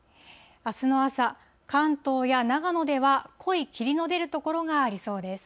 あすの朝、関東や長野では濃い霧の出る所がありそうです。